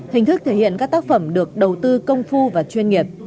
hình thức thể hiện các tác phẩm được đầu tư công phu và chuyên nghiệp